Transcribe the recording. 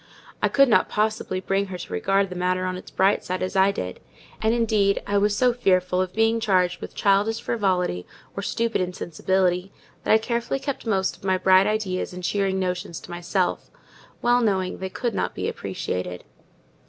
I could not possibly bring her to regard the matter on its bright side as I did: and indeed I was so fearful of being charged with childish frivolity, or stupid insensibility, that I carefully kept most of my bright ideas and cheering notions to myself; well knowing they could not be appreciated.